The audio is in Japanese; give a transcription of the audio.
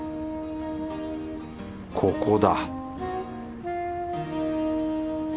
ここだ